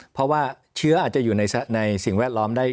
เพราะว่าเชื้ออาจจะอยู่ในสิ่งแวดล้อมได้